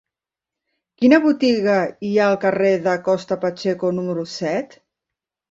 Quina botiga hi ha al carrer de Costa Pacheco número set?